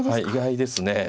意外です。